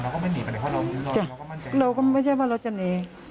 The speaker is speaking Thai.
เราก็ไม่หนีไปเลยเพราะเรามีรอยเราก็มั่นใจเราก็ไม่ใช่ว่าเราจะหนี